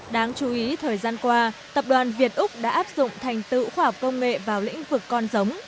đáng chú ý thời gian qua tập đoàn việt úc đã áp dụng thành tựu khoa học công nghệ vào lĩnh vực con giống